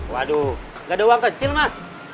waduh gak ada uang kecil mas